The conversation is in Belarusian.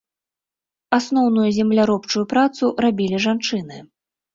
Асноўную земляробчую працу рабілі жанчыны.